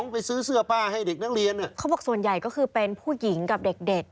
เพราะว่าไปก่อเหตุอย่างนั้น